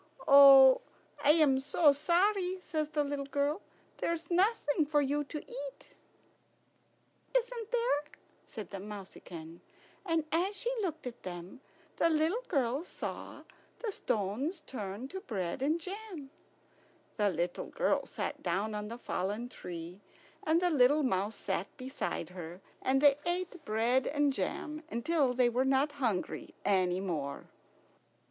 "Oh, I'm so sorry," says the little girl. "There's nothing for you to eat." "Isn't there?" said mouseykin, and as she looked at them the little girl saw the stones turn to bread and jam. The little girl sat down on the fallen tree, and the little mouse sat beside her, and they ate bread and jam until they were not hungry any more.